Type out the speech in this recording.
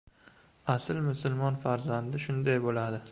— Asl musulmon farzandi shunday bo‘ladi!